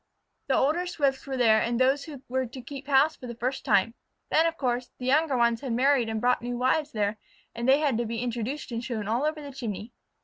The older Swifts were there and those who were to keep house for the first time. Then, of course, the younger ones had married and brought new wives there, and they had to be introduced and shown all over the chimney.